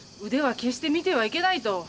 腕は決して見てはいけないと。